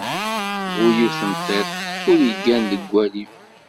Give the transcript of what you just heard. Bu yiwet n tiṭ, ur iggan deg walim.